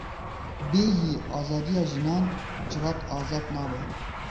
Bêyî azadiya jinan civat azad nabe.